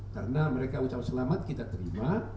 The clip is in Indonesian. karena mereka ucapkan selamat kita terima